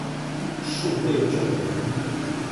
數位政委